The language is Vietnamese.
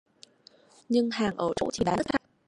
nhưng hàng ở chỗ trình bán rất chạy